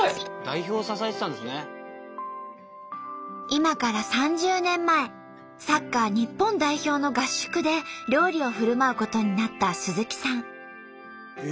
今から３０年前サッカー日本代表の合宿で料理をふるまうことになった鈴木さん。